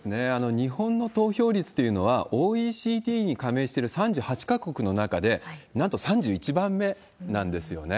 日本の投票率というのは、ＯＥＣＤに加盟している３８か国の中で、なんと３１番目なんですよね。